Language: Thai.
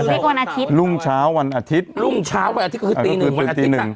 ทุกวันอาทิตย์รุ่งเช้าวันอาทิตย์รุ่งเช้าวันอาทิตย์ก็คือตีหนึ่งวันอาทิตย์